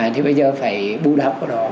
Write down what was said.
thì bây giờ phải bưu đắp ở đó